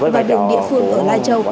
và đường địa phương ở lai châu